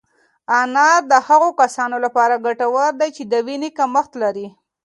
انار د هغو کسانو لپاره ګټور دی چې د وینې کمښت لري.